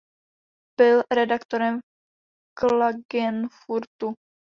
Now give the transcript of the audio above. Byl redaktorem v Klagenfurtu.